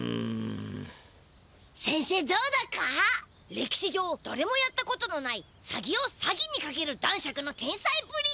れきし上だれもやったことのないサギを詐欺にかける男爵の天才ぶり！